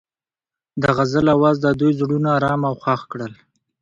د غزل اواز د دوی زړونه ارامه او خوښ کړل.